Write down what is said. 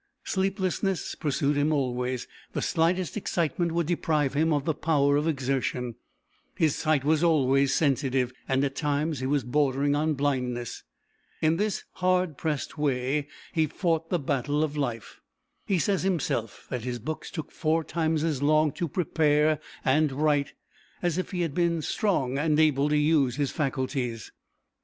Sleeplessness pursued him always, the slightest excitement would deprive him of the power of exertion, his sight was always sensitive, and at times he was bordering on blindness. In this hard pressed way he fought the battle of life. He says himself that his books took four times as long to prepare and write as if he had been strong and able to use his faculties.